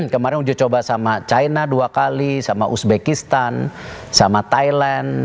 kemarin uji coba sama china dua kali sama uzbekistan sama thailand